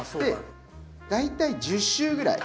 大体１０周ぐらい。